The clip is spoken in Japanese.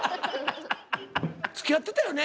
つきあってたよね？